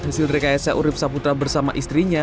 hasil rekayasa urib saputra bersama istrinya